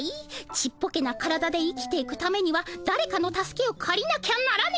ちっぽけな体で生きていくためにはだれかの助けをかりなきゃならねえ。